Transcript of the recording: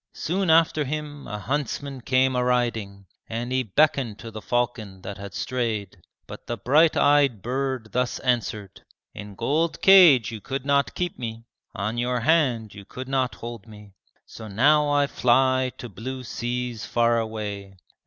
Soon after him a huntsman came a riding, And he beckoned to the falcon that had strayed, But the bright eyed bird thus answered: "In gold cage you could not keep me, On your hand you could not hold me, So now I fly to blue seas far away.